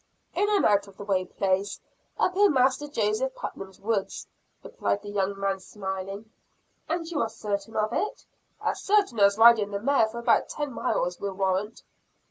"In an out of the way place, up in Master Joseph Putnam's woods," replied the young man smiling. "And you are certain of it?" "As certain as riding the mare for about ten miles will warrant."